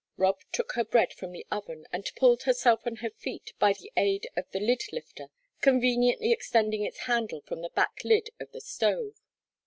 Rob took her bread from the oven and pulled herself on her feet by the aid of the lid lifter, conveniently extending its handle from the back lid of the stove.